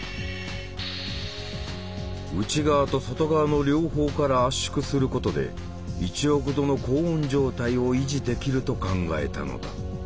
内側と外側の両方から圧縮することで１億度の高温状態を維持できると考えたのだ。